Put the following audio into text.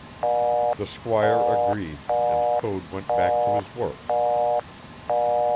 The squire agreed and Code went back to his work.